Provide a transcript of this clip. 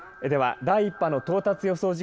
では第１波の到達予想